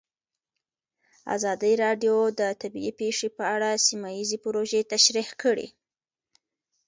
ازادي راډیو د طبیعي پېښې په اړه سیمه ییزې پروژې تشریح کړې.